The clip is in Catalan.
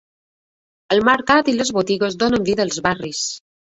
El mercat i les botigues donen vida als barris.